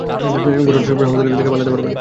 ঘোড়াটা সবসময় আমাদের থেকে পালাতে পারবে না।